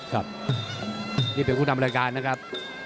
ครับนี่เป็นผู้นำรายการนะครับ